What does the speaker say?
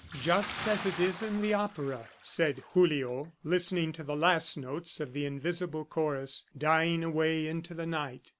"Just as it is in the opera," said Julio listening to the last notes of the invisible chorus dying away into the night.